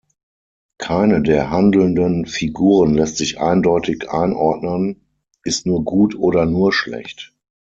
Keine der handelnden Figuren lässt sich eindeutig einordnen, ist nur gut oder nur schlecht.